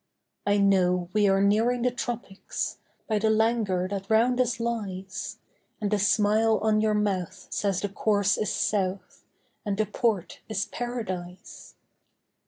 I know we are nearing the tropics By the languor that round us lies, And the smile on your mouth says the course is south And the port is Paradise.